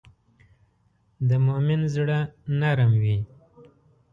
د مؤمن زړه نرم وي.